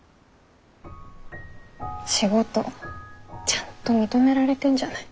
仕事ちゃんと認められてんじゃない。